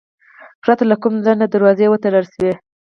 پرته له کوم ځنډه دروازې وتړل شوې.